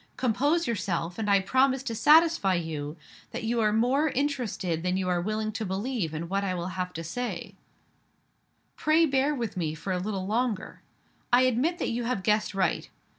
Compose yourself; and I promise to satisfy you that you are more interested than you are willing to believe in what I have still to say. Pray bear with me for a little longer. I admit that you have guessed right.